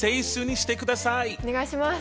お願いします。